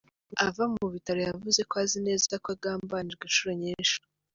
Ava mu bitaro yavuze ko azi neza ko agambanirwa inshuro nyinshi.